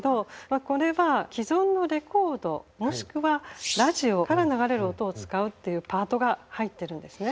これは既存のレコードもしくはラジオから流れる音を使うっていうパートが入ってるんですね。